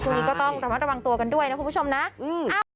ตรงนี้ก็ต้องระมัดระวังตัวกันด้วยนะผู้ชมนะอืม